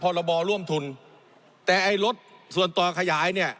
พรบร่วมทุนแต่ไอ้รถส่วนต่อขยายเนี่ย